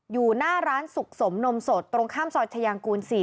อยู่หน้าร้านสุขสมนมสดตรงข้ามซอยชายางกูล๔